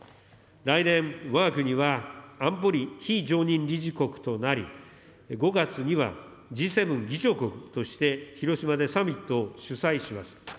来年、わが国は安保理非常任理事国となり、５月には、Ｇ７議長国として広島でサミットを主催します。